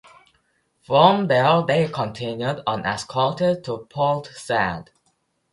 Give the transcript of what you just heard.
From there they continued unescorted to Port Said.